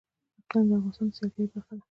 اقلیم د افغانستان د سیلګرۍ برخه ده.